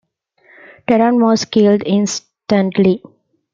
Teran was killed instantly.